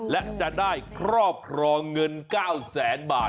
และจะได้ครอบครองเงิน๙แสนบาท